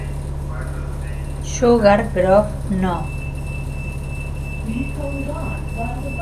Sugar Grove No.